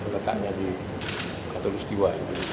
letaknya di katolik setiwa